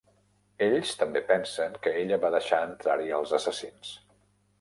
Ells també pensen que ella va deixar entrar-hi els assassins.